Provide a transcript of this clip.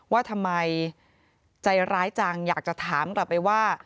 ว่าทำไมใจร้ายจังอยากจะถามกลับไปว่า